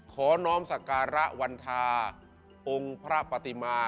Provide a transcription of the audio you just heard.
น้อมสการะวันทาองค์พระปฏิมา